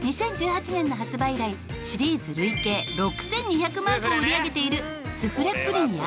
２０１８年の発売以来シリーズ累計６２００万個を売り上げているスフレ・プリンや。